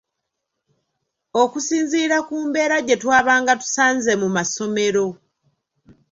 Okusinziira ku mbeera gye twabanga tusanze mu masomero.